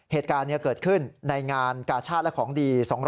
เหตุการณ์นี้เกิดขึ้นในงานกาชาติและของดี